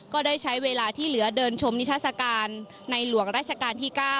ก็ได้ใช้เวลาที่เหลือเดินชมนิทัศกาลในหลวงราชการที่๙